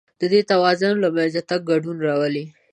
د دې توازن له منځه تګ ګډوډي راولي.